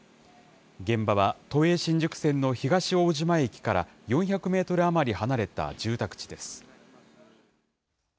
現場は都営新宿線の東大島駅から４００メートル余り離れた住宅地です。